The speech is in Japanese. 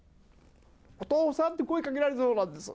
お父さんって声をかけられているようなんです。